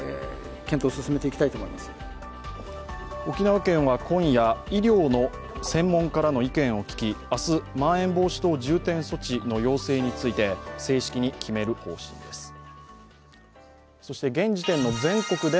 沖縄県は今夜、医療の専門家らの意見を聞き明日、まん延防止等重点措置の要請について正式に決める方針です。